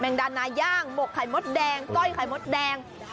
ดานาย่างหมกไข่มดแดงก้อยไข่มดแดง